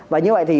và như vậy thì